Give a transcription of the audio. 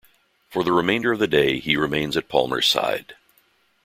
For the remainder of the day, he remains at Palmer's side.